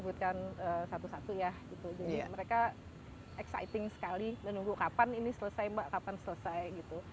diperhatikan satu satu ya gitu jadi mereka exciting sekali dan nunggu kapan ini selesai mbak kapan selesai gitu